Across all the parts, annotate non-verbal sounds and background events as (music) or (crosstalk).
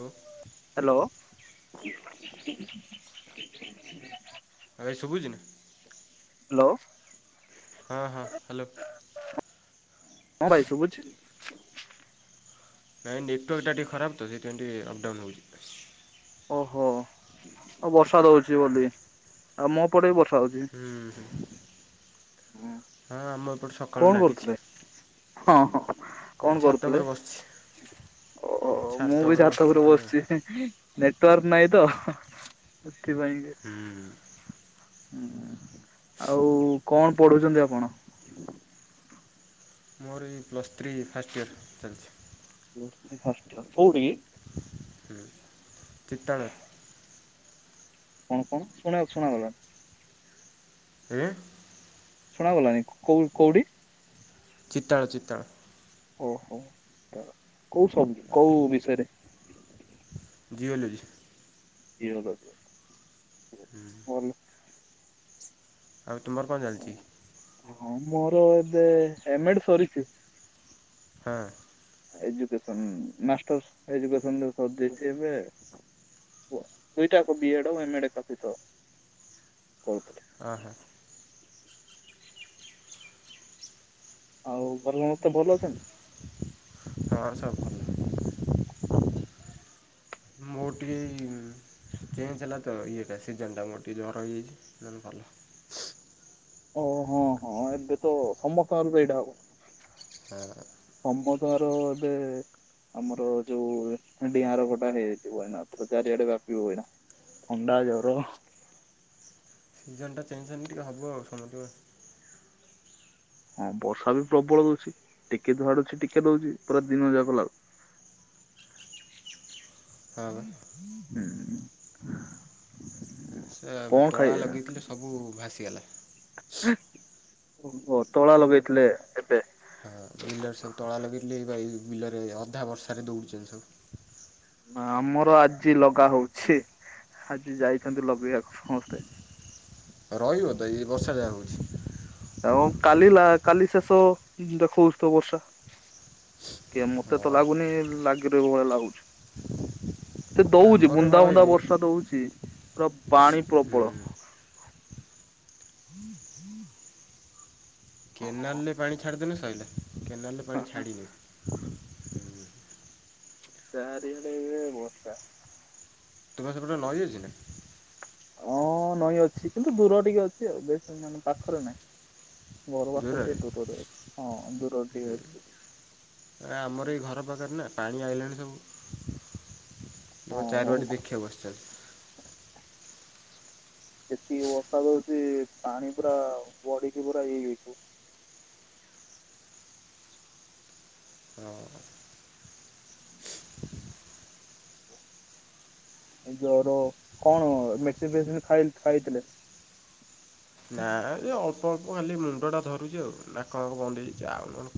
ହଉ। ହାଲୋ। ଆଉ ଭାଇ ଶୁଛି ନା ହାଲୋ। ହଁ ହଁ ହାଲୋ। ହଁ ଭାଇ ଶୁଭୁଛି। ନାଇଁ ଡିଟୋ ଏଟା ଟିକେ ଖରାପ ତ ସେଥିପାଇଁ ଟିକେ ଅପ୍ ଡ଼ାଉନ୍ ହୋଉଛି। ଓହୋ ଆଉ ବର୍ଷା ଦଉଛି ବୋଲି ଆଉ ମୋ ପଟେ ବି ବର୍ଷା ହଉଛି। ହୁଁ ହୁଁ। ହଁ ଆମ ଏପଟୁ କଣ ସକାଳୁ କରୁଥିଲେ ଲାଗିଛି। ହଁ। କଣ ଛାତ କରୁଥିଲେ ଉପରେ ବସିଛି ଓ ମୁଁ ବି ଉପରେ ଛାତ ବସିଛି ଉପରୁ ଟିକେ ଆଉ ବସିଛି। ନେଟୱାର୍କ ନାଇଁ ତ ସେଥିପାଇଁ କି ହୁଁ। ହୁଁ ଆଉ କଣ ପଢୁଛନ୍ତି ଆପଣ? ମୋର ଏଇ ପ୍ଲସ୍ ଥ୍ରୀ ଫାଷ୍ଟ ଇୟରର୍ ଚାଲିଛି। ବେସି କଷ୍ଟ କଉଠି କି? ହୁଁ ଚିତଳ। କଣ କଣ ଶୁଣିବା ଶୁଣାାଗଲା। ଏପି ଶୁଣାଗଲାନି କୋଉ କୋଉଠି ଚିତଳ ଚିତଳ ଓହୋ କୋଉ ସବୁ କୋଉ ବିଷୟରେ? ଜିଓଲୋଜି। ଯିଓଲୋଜି ଆଉ ତୁମର କଣ ଚାଲିଛି? ହଁ ମୋର ଏବେ ହେମେଟେ ସରିଛି। ହଁ। ଏଜୁକେସ୍ନ ମାଷ୍ଟରସ୍ ଏଜୁକେଶ୍ନ କରିଦେଇଛି ଏବେ। ଦୁଇଟାକୁ ବିଏଡ ଏମଡେ କତି କ ଆଁ ହଁ। ଆଉ ଭଲ ମ ମତେ ଭଲ ଅଛନ୍ତି? ତୋଆ ଆଡେ ସବୁ ଭଲ। ମୋ ଟିକେ ଇ ଚେଞ ହେଲା ତ ଇଏଟା ସିଜିଁନିଟା ମୋର ଟିକେ ଜର ହେଇଯାଇଛି ନହେଲେ ଭଲ। ଓ ହଁ ହଁ ଏବେ ତ ସମସ୍ତ ଆରୁକୁ ଏଇଟା ହବ। ହୁଁ। ତମ ତାର ଏବେ ଆମର ଯୋଉ ଡିଆଁର ଭଟା ହେଇଯାଇଛି ହଏନା ଚାରିଆଡେ ବ୍ୟାପିବି ହୁଏନା। କଣ୍ଡାଗଓରୁ ସିଜନଟା ଚାଁଛନ୍ତି ଟିକେ ହବ ଆଉ ସମୟେ ହଁ ବର୍ଷା ବି ପ୍ରବଳ ଦଉଛି ଟିକେ ଧୁଆଡୁଛି ଟିକେ ଦଉଛି ପୁରା ଦିନ ଯା କଲା (inaudible) ହୁଁ ସେ କଣ ତଳା ଖାଇବେ? ଲଗେଇଥିଲେ ସବୁ ଭାସିଗଲା। ଓ ତଳା ଲଗେଇଥିଲେ ଏବେ ହଁ ବିଲରେ ସବୁ ତଳା ଲଗେଇ ବା ଏ ବିଲରେ ଅଧା ବର୍ଷରେ ଦଉଡୁଛନ୍ତି ସବୁ ନା ଆମର ଆଜି ଲଗା ହଉଛି ଆଜି ଯାଇଛନ୍ତି ଲଗେଇବାକୁ ସମସ୍ତେ। ତ ରହିବ ତ ଏଇ ବର୍ଷା ଯାହା ହଉଛି। ଆଉ କାଲ କାଲି ଶେଷ ଦେଖଉଥିବ ବର୍ଷା କି ମତେ ତ ହଁ ଲାଗୁନି ଲାଗି ରହିବ ଭଳିଆ ଲାଗୁଛି। ସେ ଦଉଛି ଆମର ବୁନ୍ଦା ହଳ ବୁଧା ହେଇନି ବର୍ଷା ଦଉଛି ପୁରା ପାଣି ପ୍ରବଳ। ହୁଁ କେନାଲ୍ର ପାଣି ଛାଡ଼ିଦେନ ସରିଲା କେନାଲ୍ରରେ ପାଣି ଛାଡ଼ିନି। ଚାରିଆଣେ ବର୍ଷା। ତୁମେ ସେ ପଟେ ଲହେଇଛ ନା? ହଁ ନଈ ଅଛି କିନ୍ତୁ ଦୂର ଟିକେ ଅଛି ଆଉ ବେଶ ମେ ପାଖରେ ନାହିଁ। ଗର ଆସଲ ଟ ଦୂରରେ ଦୁଟରେ ହଁ ଦଟର ଦ। ଆମର ଏଇ ଘର ପାଖରେ ନା ପାଣି ଆଇଲାଣି ସବୁ। ଦ ଚାରି ହଁ ବାଟି ଦେଖିବାକୁ ବସିଛନ୍ତି। ସେତିକି ବଷାଦ ହଉଛି ପାଣି ପୁରା ବଢିକି ପୁରା ଇ ହେଇଛି। ହଁ। ଏଇ ଜର କଣ ମେଡିସି ଫେସିଇ ଖାଇଥିଲେ। ନା ଅଳ୍ପ ଅଳ୍ପ ଖାଲି ମୁଣ୍ଡ ଟା ଧରୁଛି ଆଉ ନା କ ବନ୍ଦ ହେଇଛି ଆଉ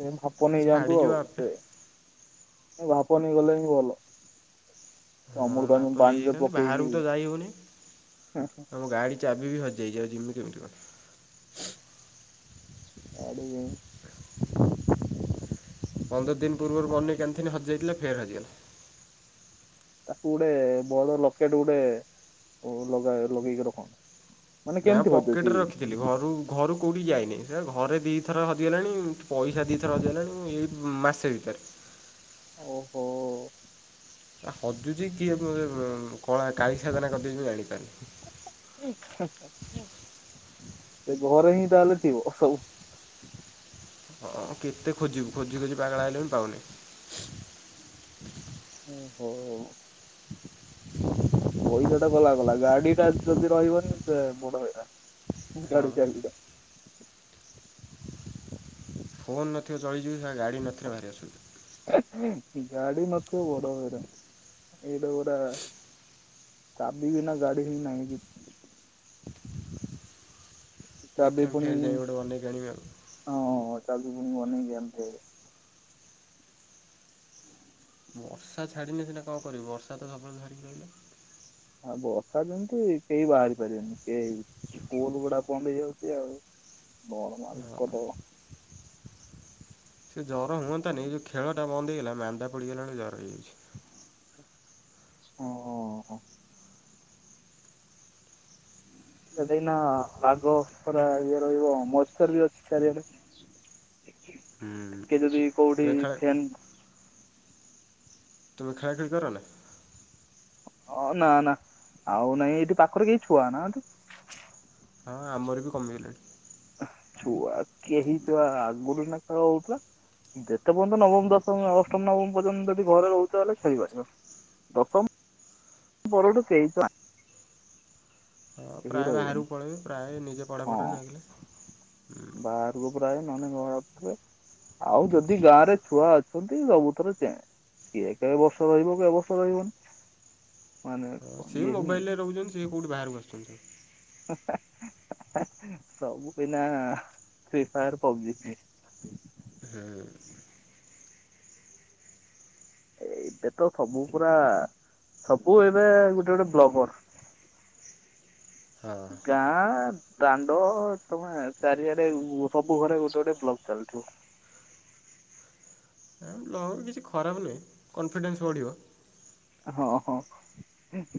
ସେ ଭାପ ନେଇଯାଆନ୍ତୁ ଛାଡ଼ିଯିବ ଆଉ ଆପେ ସେ ଭାପ ନେଇ ଗଲେ ହିଁ ଭଲ। ହଁ ଅମୃତାଞ୍ଜନ ଭାତ ପାଣିରେ ନେଇଯାଇଥାନ୍ତି ପକେଇକି ବାହାରକୁ ତ ଯାଇ ହେଉନି ଆମ ଗାଡ଼ି ଚାବି ବି ହଜିଯାଇଛି ଯେମିତି କେମିତି କଣ? ଆଡି ପନ୍ଦର ଦିନ ପୂର୍ବରୁ ବନ କ କୋଥିନି ହଜିଯାଇଥିଲେ ଫେର ହଜିଗଲା। ତାକୁ ଗୋଟେ ବଡ଼ ଲକେଟ ଗୋଟେ ଲଗା ଲଗେଇକି ରଖନ୍ତୁ। ନାଇଁ ଆଉ ପକେଟ ରେ ରଖିଥିଲି ଘରୁ ଘରୁ କେଉଁଠି ଯାଇନି ସେ ଘରେ ଦୁଇଥର ହଜିଗଲାଣି ପଇସା ଦୁଇଥର ହଜିଗଲାଣି ଏଇ ମାସେ ଭିତରେ। ଓହୋ। ହଜୁଛି କିଏ କଳା କାଳି ସାଧନା କରିଦେଇଛି ମୁଁ ଜାଣିପାରୁନି। ସେ ଘରେ ହିଁ ତାହେଲେ ଥିବ ସବୁ। ହଁ କେତେ ଖୋଜିବୁ ଖୋଜି ଖୋଜି ପାଗଳ ଆଲେ ବି ପାଉନି। ଓ ହୋ। ପଇସା ଟା ଗଲା କଲା ଗାଡି ଟା ଯଦି ରହିବନି ସେ ବଡ ହେଇଲା ହଁ ଗାଡି ଚା ଫୋନ୍ ନଥରେ ଚଳିଯିବ ଗାଡ଼ି ନଥରେ ବାହାରି ଆସୁଛିି। ଗାଡ଼ି ନ ଥିବ ବଡ଼ ହଇରାଣ ଏଇ ଦଗୁଡ଼ା ଚାବି ବିନା ଗାଡି ହିଁ ନାହିଁ କିଛି। (inaudible) ଚାବି ଦେଖେ ପୁଣି ଫେର୍ ଯାଇ ଗୋଟେ ବନେଇକି ଆଣିବି ଆଉ ହଁ ଚାବି ପୁଣି ବନେଇକି ଏମତି। ବର୍ଷା ଛାଡିନେ ସିନା କଣ କରିବି ବର୍ଷା ତ ସବୁବେଳେ ଧରିକି ରହିଲା। ହଁ ବର୍ଷା ଯେମିତି କେହି ବାହାରି ପାରିବେନି, କେହି ସ୍କୁଲ ଗୁଡା ବନ୍ଦ ହେଇଯାଉଛି ଆଉ। କଣ ହଁ। ମାଙ୍କଡ ସେ ଜ୍ୱର ହୁଅନ୍ତାନି ଯେଉଁ ଖେଳଟା ବନ୍ଦ ହେଇଗଲା ମାନ୍ଦା ପଡ଼ିଗଲାଣି ଜ୍ୱର ହେଇଯାଉଛି। ଓହ ହ। ସେ ଦେଖନା ଆଗ ପରା ଇଏ ରହିବ ମଏଶ୍ଚର ବି ଅଛି ଚାରିଆଡେ। ହୁଁ। ଟିକେ ଯେଦି କୋଉଠି ତୁମେ ଖେଳା ଫ୍ୟାନ୍ ତୁମେ ଖେଳାଖେଳି କରନା? ଅ ନା ନା ଆଉ ନାଇଁ ଏଇଠି ପାଖରେ କେହି ଛୁଆ ନାହାନ୍ତି। ହଁ ଆମର ବି କମିଗଲେଣି। ଛୁଆ କେହି ତ ଆଗରୁ ନା ଖେଳ ହଉଥିଲା। ଯେତେ ପର୍ଯ୍ୟନ୍ତ ନବମ ଦଶମ ଅଷ୍ଟମ ନବମ ପର୍ଯ୍ୟନ୍ତ ଯଦି ଘରେ ରହୁଛ ହେଲେ ଖେଳିପାରିବ। ଦଶମ ପରଠୁ କେହି ତ ଆଁ। ହଁ ପ୍ରାୟ ବାହାରକୁ ପଳେଇବେ। ପ୍ରାୟ ନିଜେ ପଢ଼ାପଢିରେ ଲାଗିଲେ। ହୁଁ। ବାହାର କୁ ପ୍ରାୟ ନହନେ ଘରେ ଆଉ ଯଦି ଗାଁ ରେ ଛୁଆ ଅଛନ୍ତି ସବୁଥେରେ ଚେଞ୍ଜ୍। କିଏ କେ ବର୍ଷ ରହିବ। କେ ବର୍ଷ ରହିବନି। ମାନେ ହଁ ସିଏ ଇଏ ହିଁ ମୋବାଇଲରେ ନାହିଁ ରହୁଚନ୍ତି ସେ କୋଉଠି ବାହାରକୁ ଆସୁଛନ୍ତି ସବୁ ହା ହା ହା ହା ସବୁ ବିନା ଫ୍ରି ଫାୟାର ପବଜି। ହଁ। ଏ ଏବେ ତ ସବୁ ପୁରା ସବୁ ଏବେ ଗୋଟେ ଗୋଟେ ବ୍ଲଗର୍। ହଁ। ଗାଁ ଆଁ। ଦାଣ୍ଡ ଅ ତମେ ଚାରିଆଡେ ଉମ୍ ସବୁ ଘରେ ଗୋଟେ ଗୋଟେ ବ୍ଲଗ ଚାଲିଥିବ। ଏଁ ବ୍ଲଗ୍ କିଛି ଖରାପ ନୁହେଁ କନଫିଡେନ୍ସ ବଢ଼ିବ। ହଁ ହଁ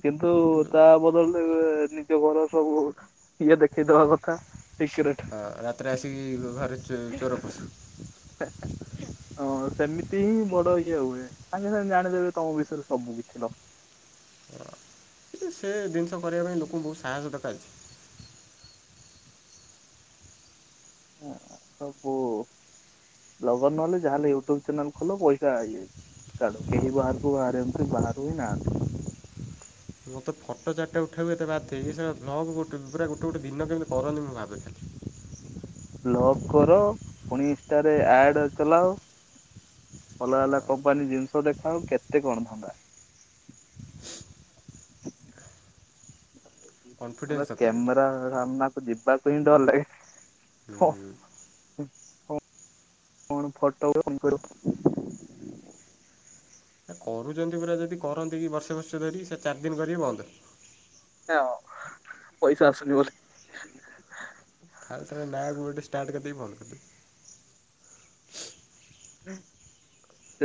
କିନ୍ତୁ ତା ବଦଳି ନିଜ ଘର ସବୁ ଇଏ ଦେଖେଇଦବା କଥା। ସିକ୍ରେଟ ହଁ ରାତିରେ ଆସିକି ଘରେ ଚୋ ଚୋର ପଶ। ହା ହା ହଁ ସେମିତି ହିଁ ବଡ ଇଏ ହୁଏ ସାଙ୍ଗେ ସାଙ୍ଗ ଜାଣିଦେବେ ତମ ବିଷୟରେ। ସବୁ ବି ଥିଲ। କିନ୍ତୁ ସେ ଜିନିଷ କରିବା ପାଇଁ ଲୋକଙ୍କୁ ବହୁତ ସାହସ ଦରକାର ଅଛି। ସବୁ ଲଗଅନ୍ ନହେଲେ ଯାହାହେଲେ ୟୁଟ୍ୟୁବ ଚ୍ୟାନେଲ ଖୋଲ ପଇସା ହେଇଯାଇଛି। ତାହେଲେ କେହି ବାହାରକୁ ବାହାରି ଙ୍କୁ ବାହାରୁ ହିଁ ନାହାନ୍ତି। ମୁଁ ତ ଫଟୋ ଚାରଟା ଉଠାଉ ଏତେ ବାଧ୍ୟ ହେଇ, ଏ ସେଗା (unintelligible) ଗୋଟେ ପୁରା ଗୋଟେ ଗୋଟେ ଦିନ କେମିତି କରନ୍ତି ମୁଁ ଭାବେ ଖାଲି। ବ୍ଲଗ୍ କର, ପୁଣି ଇନଷ୍ଟାରେ ଆଡ୍ ଚଲାଅ। ଭଲ ହେଲା କମ୍ପାନୀ ଜିନିଷ ଦେଖା କେତେ କଣ ଧନ୍ଦା। ଆମେ କନଫିଡେନ୍ସ ଦରକାର କିନ୍ତୁ କ୍ୟାମେରା ସାମ୍ନାକୁ ଯିବାକୁ ହିଁ ଡର ଲାଗେ। କଣ ହୁଁ। କଣ ଫଟୋ କଣ କରିବ? ସେ କରୁଚନ୍ତି ପୁରା ଯଦି କରନ୍ତେ କି ବର୍ଷେ ବର୍ଷେ ଧରି ସେ ଚାର ଦିନ କରିବେ ବନ୍ଦ। ହଁ ପଇସା ଆସୁନି ବୋଲି। ଖାଲି ଟାରେ ନାଁକୁ ଗୋଟେ ଷ୍ଟାର୍ଟ କରିଦେଇ ବନ୍ଦ କରିିଦେବେ।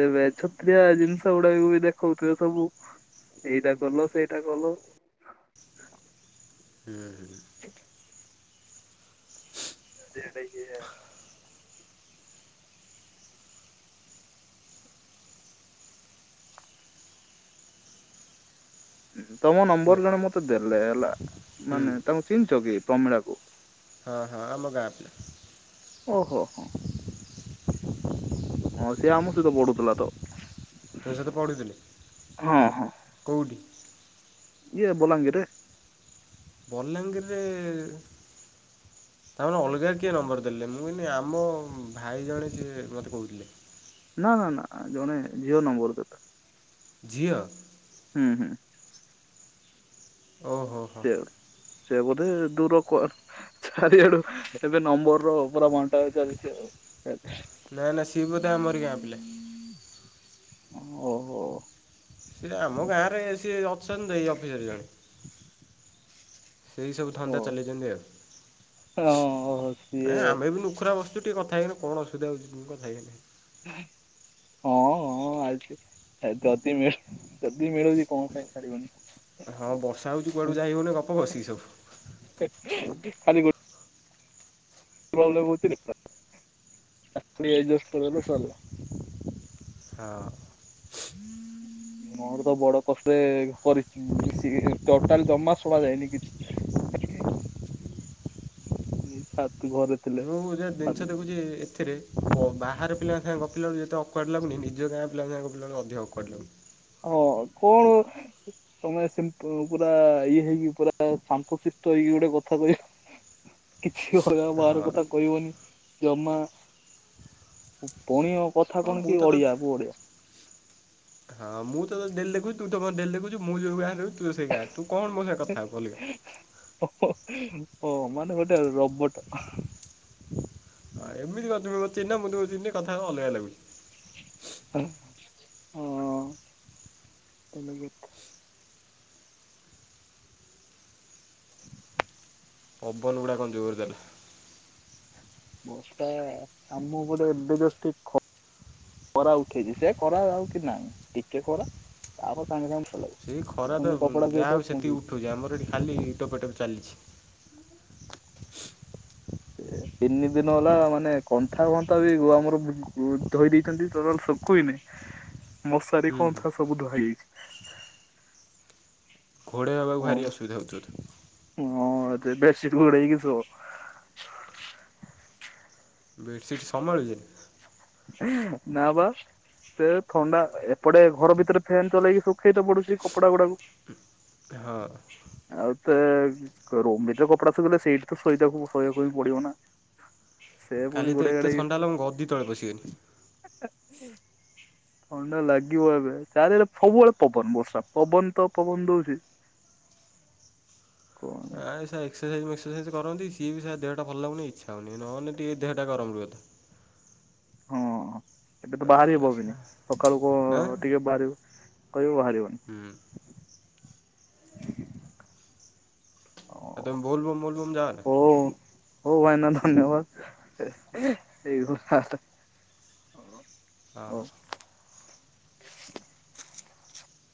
ଏ ବେଛତ୍ରିଆ ଜିନଷ ଗୁଡାକ ବି ଦେଖଉଥିବେ ସବୁ। ଏଇଟା କଲ ସେଇଟା କଲ। ହୁଁ ହୁଁ। ଯେଡାଇ ହ ଉଁ ହୁ ତମ ହ୍ୟାଲୋ ନମ୍ବର ଜଣେ ମତେ ଦେଲେ ହେଲା ହୁଁ ମାନେ ତାଙ୍କୁ ଚିନଚ କି ପ୍ରମିଳା କୁ? ହଁ ହଁ ଆମ ଗାଁ ପିଲା। ଓହୋ ହୋ, ହଁ ସେ ଆମ ସହିତ ପଢୁଥିଲା ତ। ତମ ସହିତ ପଢ଼ୁଥିଲେ। ହଁ ହଁ କୋଉଠି? ଇଏ ବଲାଙ୍ଗୀର ରେ। ବଲାଙ୍ଗୀରି ରେ ତା ମାନେ ଅଲଗା କିଏ ନମ୍ବର ଦେଲେ। ମୁଁ କଇଲି ଆମ ଭାଇ ଜଣେ ସିଏ ମୋତେ କହୁଥିଲେ। ନା ନା ନା ଜଣେ ଝିଅ ନମ୍ବର ଦେଲେ। ଝିଅ? ହୁଁ ହୁଁ। ଓ ହୋ ସେ ସେ ବୋଧେ ଦୂରକୁ ଅର୍ ଚାରିଆଡୁ, ଏବେ ନମ୍ବର ର ପୁରା ବଣ୍ଟା ଚାଲିଚି ଆଉ। ନାଇଁ ନା ସିଏ ବୋଧେ ଆମରି ଗାଁ ପିଲା। ଓହୋ। ସିଏ ଆମ ଗାଁରେ ସିଏ ଅଛନ୍ତି ଏଇ ଅଫିସରେ ଜଣେ। ସେଇ ସବୁ ଧନ୍ଦା ଚଲେଇଚନ୍ତି ଆଉ। ଓ ହଁ ସିଏ ଏଁ ଆମେ ବି ନୁଖରା ବସ୍ ଚୁ ଟିକେ କଥା ହେଇଗଲେ କଣ ସୁବିଧା ହଉଚି ଉଁ କଥା ହେଇଗଲେ। ହଁ ଅଁ ଆଚ୍ଛା। ଆ ଯଦି ମିଳ ଯଦି ମିଳୁଚି କଣ ପାଇଁ ଛାଡିବନି। ହଁ ବର୍ଷା ହଉଚି କୁଆଡୁ କୁ ଯାାଇ ହଉନି ଗପ ବସିକି ସବୁ। ଖାଲି ଗୋ ପ୍ରୋବଲମ୍ ହଉଚି ରେ (unintelligible) ସାରିଲା। ହଁ। (inaudible) ମୋର ତ ବଡ କଷ୍ଟରେ କରିଚି ମିଶିକିରି ଟୋଟାଲ ଜମା ଶୁଣା ଯାଏନି କିଛି। ଛାତ ଘରେ ଥିଲେ। କୋଉ ଉଁ ଯା ଛା ଜିନିଷ ଦେଖୁଚି ଏଥିରେ। ଓ ବାହାର ପିଲାଙ୍କ ସାଙ୍ଗେ ଗପିଲା ବେଳକୁ ଯେତେ ଅକ୍ୱାଡ ଲାଗୁନି। ନିଜ ଗାଁ ପିଲାଙ୍କ ସାଙ୍ଗେ ଗପିଲା ବେଳକୁ ଅଧିକ ଅକ୍ୱାଡ ଲାଗୁିଚ୍ ହଁ କଣ? ତମେ ସିମ୍ପ ପୁରା ଇଏ ହେଇକି ପୁରା ଶାନ୍ତଶିଷ୍ଟ ହେଇକି ଗୋଟେ କଥା କହିବ। (inaudible) କିଛି ହ ହଁ ବାହାର କଥା କହିବନି। ଜମା ପଣି କଥା ହଁ କଣ ମୁଁ କି ତ ତୋତେ ଓଡିଆ ବୁ ଓଡିଆ। ହଁ ମୁଁ ତତେ ଡେଲି ଦେଖୁଚି ତୁ ତ ମତେ ଡେଲି ଦେଖୁଚୁ ମୁଁ ଯୋଉ ଗାଁ ରେ ରହୁଚି ତୁ ତ ସେଇ ଗାଁ ରେ। ତୁ କଣ ମୋ ସାଙ୍ଗ ରେ କଥା ହବୁ ଭଲ କିନା? ଓ ମାନେ ଗୋଟେ ରୋବଟ। ହଁ ଏମିତି କଣ ତୁମେ ମତେ ଚିହ୍ନି ନା ମୁଁ ତୁମକୁ କଥା ହେବା କୁ ଅଲଗା ଲାଗୁଚି। ଉଁ ଅଁ। ପବନ ଗୁଡ଼ା କଣ ଜୋରି ଦେଲେ। ବର୍ଷା ଆମ ପଟେ ଏବେ ଜଷ୍ଟ ଟିକ ଖ ଖରା ଉଠେଇଚି ସେ ଖରା ଆଉ କି ନାଇଁ। ଟିକେ ଖରା ଆଉ କଁ ସାଙ୍ଗେ ସାଙ୍ଗେ ଭଲ ଲାଗେ ସେଇ ଖରା ତ ଟିକେ ଉଁ କପଡା ଯାହା ଧୋଇଦବ ହଉ ପୁଣି ସେତିକି ଉଠଉଚି। ଆମର ଏଠି ଖାଲି ଟୋପେ ଟୋପେ ଚାଲିଚି। ତିନି ଦିନ ହେଲା ମାନେ କନ୍ଥା ଫନ୍ଥା ବୁ ଆମର ଉ ଧୋଇ ଦେଇଚନ୍ତି ଟୋଟଲ ଶୁକୁ ହି ନାଇଁ। ମଶାରୀ ହୁଁ ହୁଁ କନ୍ଥା ସବୁ ଧୁଆ ହେଇଯାଇଚି। ଘୋଡ଼େଇହବାକୁ ହଁ ଭାରି ଅସୁବିଧା ହଉ ଥିବ ତ। ହଁ ଯେ ବେଡ ସିଟ୍ ଘୋଡେଇ ହେଇକି ଶୋ। ବେଡ଼ସିଟ୍ ସମ୍ଭାଳୁଚି? ନା ପା। ସେ ଥଣ୍ଡା ଏପଟେ ଘର ଭିତରେ ଫ୍ୟାନ ଚଲେଇକି ଶୁଖେଇତେ ପଡୁଚି କପଡା ଗୁଡ଼ାକୁ। ହଁ। ଆଉ ତେ ରୁମ ଭିତରେ କପଡା ଶୁଖେଇଲେ ସେଇଠି ତ ଶୋଇତେ ଶୋଇବାକୁ ହିଁ ପଡିବ ନା? ସେ ପୁଣି କାଲି ତ ଘୋଡେଇ ଏତେ ଥଣ୍ଡା ହେଲା ମୁଁ ଗଦି ତଳେ ପଶି ଗଲି। ଆଚ୍ଛ ଥଣ୍ଡା ଲାଗିବ ଏବେ ଚାରିଆଡେ ସବୁବେଳେ ପବନ ବର୍ଷା ପବନ ତ ପବନ ଦଉଚି। ଉ। ଆ ସେ ଏକ୍ସରସାଇଜ ମେକ୍ସରସାଇଜ କରନ୍ତି। ସିଏ ବି ସେଆ ଦେହଟା ଭଲ ଲାଗୁନି ଇଚ୍ଛା ହଉନି। ନହେଲେ ଟିକେ ଦେହଟା ଗରମ ରୁହନ୍ତା। ହଁ ଏବେ ତ ବାହାରି (unintelligible) ହବବି ସକାଳୁ କୁ ହାଁ ଟିକେ ବାହାରିବି। କହିବୁ ବାହାରିବନି। ହୁଁ। ଆଉ ତମେ ବୋଲବମ୍ ବୋଲବମ୍ ଯାଅନି? ହଉ ହଉ ଭାଇନା ଧନ୍ୟବାଦ୍ (unintelligible) (unintelligible) ହଁ।